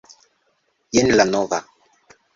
Jen la nova...